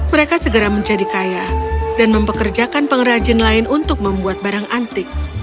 mereka segera menjadi kaya dan mempekerjakan pengrajin lain untuk membuat barang antik